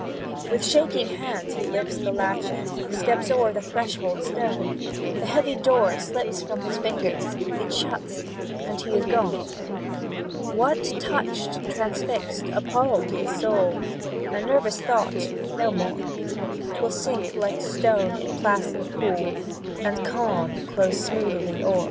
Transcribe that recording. With shaking hand, he lifts the latchet, Steps o'er the threshold stone; The heavy door slips from his fingers It shuts, and he is gone. What touched, transfixed, appalled, his soul? A nervous thought, no more; 'Twill sink like stone in placid pool, And calm close smoothly o'er.